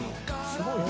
すごいね。